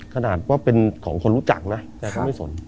ขนาดว่าเป็นของคนรู้จักนะแต่ก็ไม่สน